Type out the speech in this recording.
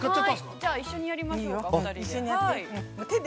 ◆じゃあ一緒にやりましょうか、お二人で。